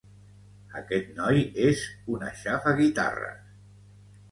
Aquest noi és un aixafaguitarres.